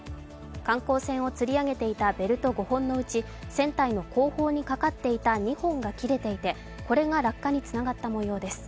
観光船をつり上げていたベルト５本のうち船体の後方にかかっていた２本が切れていてこれが落下につながった模様です。